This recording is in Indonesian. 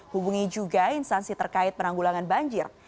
hubungi juga instansi terkait penanggulangan banjir